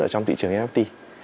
ở trong thị trường nft